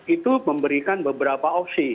itu memberikan beberapa opsi